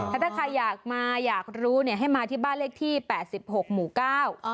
ถ้าใครอยากมาอยากรู้ให้มาที่บ้านเลขที่๘๖หมูก้าว